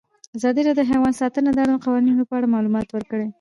ازادي راډیو د حیوان ساتنه د اړونده قوانینو په اړه معلومات ورکړي.